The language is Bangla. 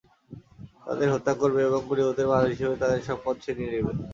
তাদের হত্যা করবে এবং গনীমতের মাল হিসাবে তাদের সম্পদ ছিনিয়ে নিবে।